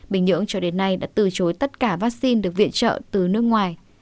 bình nhưỡng cho đến nay đã từ chối tất cả vaccine được viện trợ từ nước ngoài